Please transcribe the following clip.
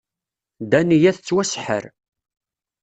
Dania tettwaseḥḥer.